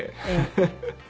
フフフ。